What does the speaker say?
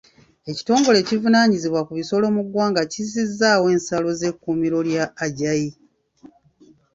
Ekitongole ekivunaanyizibwa ku bisolo mu ggwanga kyazizzaawo ensalo z'ekkuumiro lya Ajai.